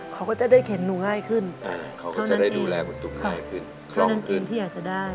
เขาก็จะได้เข็นหนูง่ายขึ้นเท่านั้นเองที่อยากจะได้